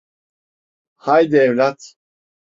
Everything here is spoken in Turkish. Haydi evlat!